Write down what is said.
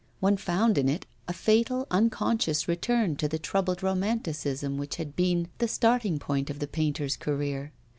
One found in it a fatal, unconscious return to the troubled romanticism which had been the starting point of the painter's career.